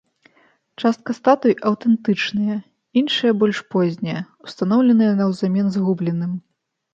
Частка статуй аўтэнтычныя, іншыя больш познія, устаноўленыя наўзамен згубленым.